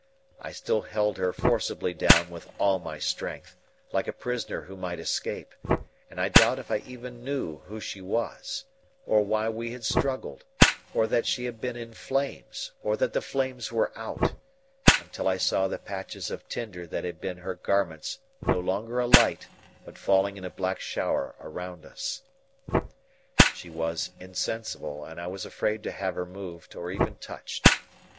I still held her forcibly down with all my strength, like a prisoner who might escape; and I doubt if I even knew who she was, or why we had struggled, or that she had been in flames, or that the flames were out, until I saw the patches of tinder that had been her garments no longer alight but falling in a black shower around us. She was insensible, and I was afraid to have her moved, or even touched.